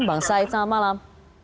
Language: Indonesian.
bang said selamat malam